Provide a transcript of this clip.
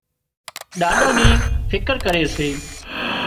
ڏاڏا نِي فڪر ڪري سي